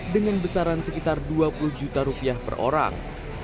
dengan besaran sekitar dua puluh juta rupiah per orang